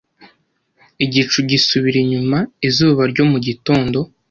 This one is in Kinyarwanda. Igicu gisubira inyuma izuba ryo mu gitondo,